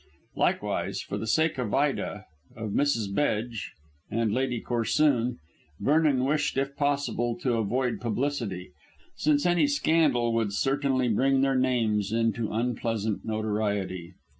Likewise, for the sake of Ida, of Mrs. Bedge, and Lady Corsoon, Vernon wished if possible to avoid publicity, since any scandal would certainly bring their names into unpleasant notoriety.